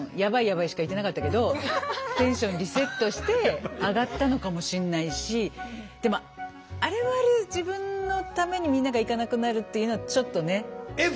ヤバいしか言ってなかったけどテンションリセットして上がったのかもしんないしでもあれはあれで自分のためにみんなが行かなくなるっていうのはちょっとね。笑